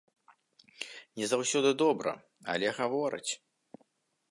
Не заўсёды добра, але гавораць.